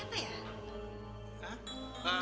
buan itu siapa ya